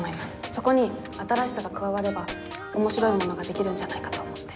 そこに新しさが加われば面白いものができるんじゃないかと思って。